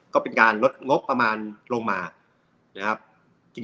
ก็เป็นการลดงบประมาณลงมานะครับ